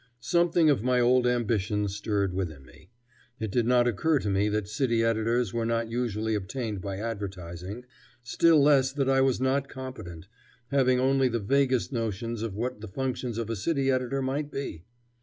Something of my old ambition stirred within me. It did not occur to me that city editors were not usually obtained by advertising, still less that I was not competent, having only the vaguest notions of what the functions of a city editor might be.